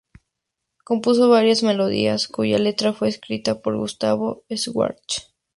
Compuso varias melodías, cuya letra fue escrita por Gustavo Schwartz.